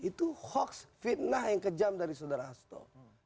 itu hoax fitnah yang kejam dari saudara hasto